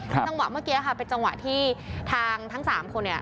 จังหวะเมื่อกี้ค่ะเป็นจังหวะที่ทางทั้งสามคนเนี่ย